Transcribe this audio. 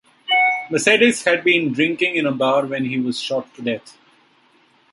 Mercedes had been drinking in a bar when he was shot to death.